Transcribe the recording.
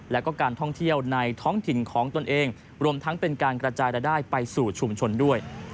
แล้วก็การท่องเที่ยวในท้องถิ่นของตนเองรวมทั้งเป็นการกระจายรายได้ไปสู่ชุมชนด้วย